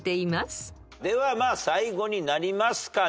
では最後になりますかね。